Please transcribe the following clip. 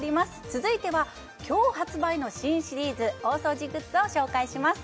続いては今日発売の新シリーズ大掃除グッズを紹介します